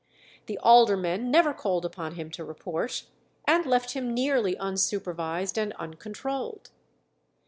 The aldermen never called upon him to report, and left him nearly unsupervised and uncontrolled.